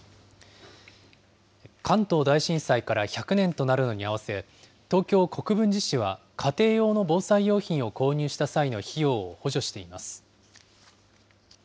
関東大震災から１００年となるのに合わせ、東京・国分寺市は、家庭用の防災用品を購入した際の費用を補助しています。